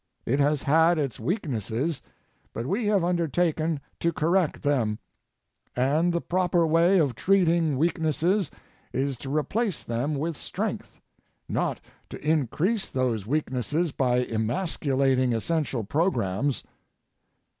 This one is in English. It has had its weaknesses, but we have undertaken to correct them. And the proper way of treating weaknesses is to replace them with strength, not to increase those weaknesses by emasculating essential programs.